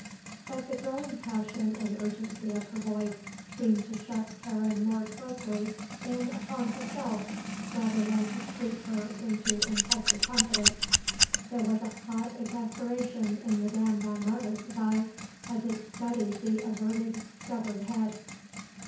But the growing passion and urgency of her voice seemed to shut Karen more closely in upon herself rather than sweep her into impulsive confidence. There was a hot exasperation in Madame von Marwitz's eye as it studied the averted, stubborn head.